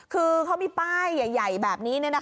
คือเขามีป้ายใหญ่แบบนี้